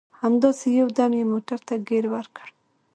همداسې یو دم یې موټر ته ګیر ورکړ.